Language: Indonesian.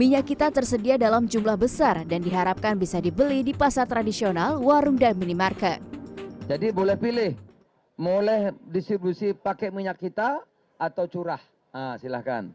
jadi boleh pilih boleh distribusi pakai minyak kita atau curah